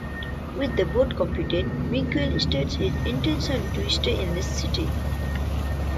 With the boat completed, Miguel states his intention to stay in the city.